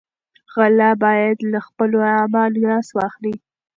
غله باید له خپلو اعمالو لاس واخلي.